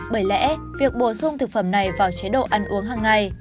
bởi lẽ việc bổ sung thực phẩm này vào chế độ ăn uống hằng ngày